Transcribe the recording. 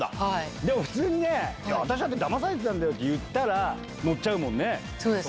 でも、普通にね、私だってだまされてたんだよって言ったら、そうです。